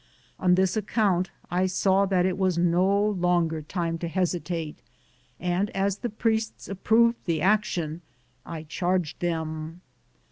On this ac count I saw that it was no longer time to hesitate, and as the priests approved the ac tion, I charged them.